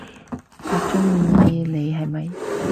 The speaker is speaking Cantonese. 佢仲鍾意你係咪？